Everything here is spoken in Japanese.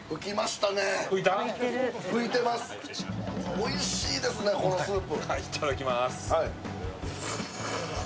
おいしいですね、このスープ。